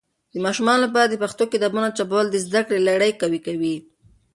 د ماشومانو لپاره د پښتو کتابونه چاپول د زده کړې لړی قوي کوي.